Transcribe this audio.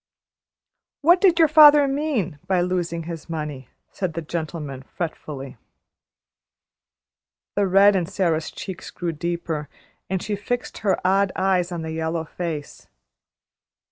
"What did your father mean by losing his money?" said the gentleman, fretfully. The red in Sara's cheeks grew deeper, and she fixed her odd eyes on the yellow face.